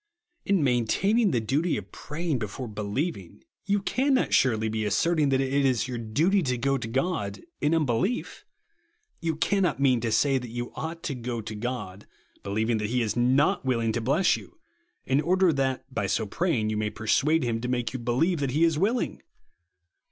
In maintaining the duty of praying before believing, you cannot surely be asserting that it is your duty to go to God in unbelief ? You can not mean to say that you ought to go to God, believing that he is not willing to bless you, in order that by so praying you may persuade him to make you believe that he is willing.